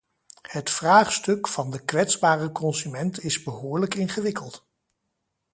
Het vraagstuk van de kwetsbare consument is behoorlijk ingewikkeld.